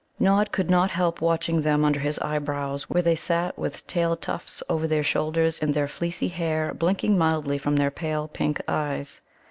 Nod could not help watching them under his eyebrows, where they sat, with tail tufts over their shoulders, in their fleecy hair, blinking mildly from their pale pink eyes.